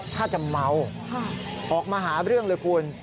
ถ้าจะเมาออกมาหาเรื่องเลยคุณ